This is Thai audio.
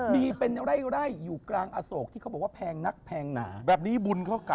ไม่มีเนี่ยแหละ